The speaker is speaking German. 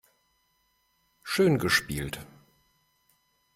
Schön gespielt.